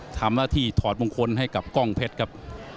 ทำหน้าที่ถอดมงคลให้กับกล้องเพชรครับ